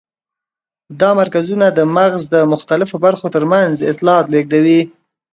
دا مرکزونه د مغز د مختلفو برخو تر منځ اطلاعات لېږدوي.